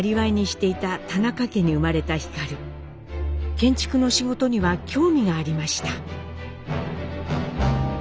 建築の仕事には興味がありました。